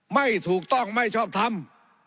ไม่ถูกต้องไม่ชอบทำ